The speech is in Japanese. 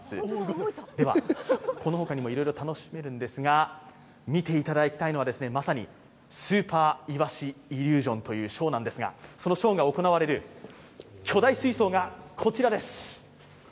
このほかにもいろいろ楽しめるんですが、見ていただきたいのはまさにスーパーイワシイリュージョンというショーなんですが、そのショーが行われる巨大水槽がこちらです。